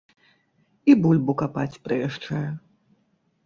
І бульбу капаць прыязджае.